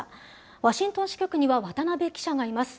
ワシントン支局には、渡辺記者がいます。